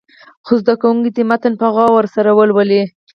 څو زده کوونکي دې متن په غور سره ولولي.